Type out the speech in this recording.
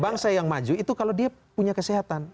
bangsa yang maju itu kalau dia punya kesehatan